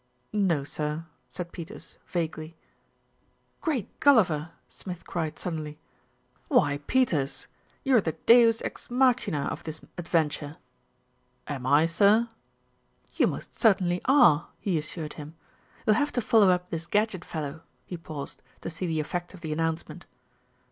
"No, sir," said Peters vaguely. MR. GADGETT PAYS A CALL 259 "Great Gulliver!" Smith cried suddenly. "Why, Peters, you're the deus ex machina of this adventure." "Am I, sir?" "You most certainly are," he assured him. "You'll have to follow up this Gadgett fellow," he paused, to see the effect of the announcement.